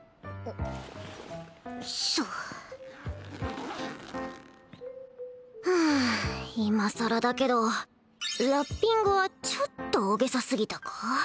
っしょうん今さらだけどラッピングはちょっと大げさすぎたか？